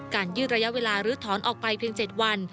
ยืดระยะเวลาลื้อถอนออกไปเพียง๗วัน